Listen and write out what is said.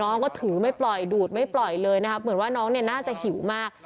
น้องก็ถือไม่ปล่อยดูดไม่ปล่อยเลยนะครับเหมือนว่าน้องเนี่ยน่าจะหิวมาก